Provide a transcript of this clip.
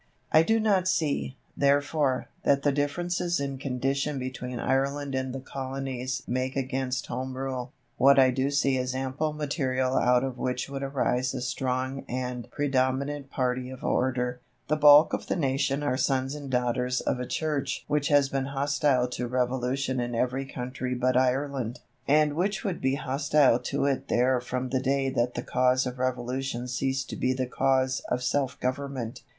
I do not see, therefore, that the differences in condition between Ireland and the Colonies make against Home Rule. What I do see is ample material out of which would arise a strong and predominant party of order. The bulk of the nation are sons and daughters of a Church which has been hostile to revolution in every country but Ireland, and which would be hostile to it there from the day that the cause of revolution ceased to be the cause of self government.